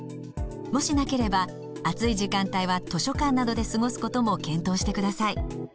もしなければ暑い時間帯は図書館などで過ごすことも検討してください。